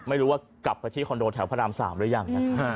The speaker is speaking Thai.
ไม่รู้ว่ากลับไปที่คอนโดแถวพระรามสามด้วยยัง